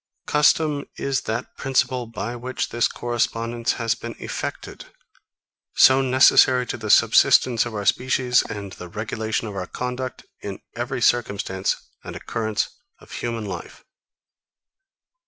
Custom is that principle, by which this correspondence has been effected; so necessary to the subsistence of our species, and the regulation of our conduct, in every circumstance and occurrence of human life.